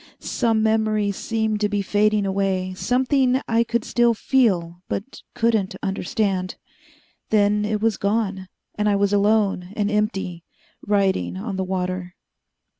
Some memory seemed to be fading away, something I could still feel but couldn't understand. Then it was gone, and I was alone and empty, riding on the water.